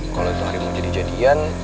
kalau itu hari mau jadi jadian